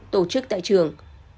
tổ chức tại trường